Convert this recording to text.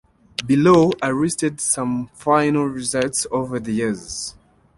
Below are listed some final results over the years.